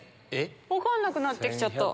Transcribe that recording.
分かんなくなって来ちゃった。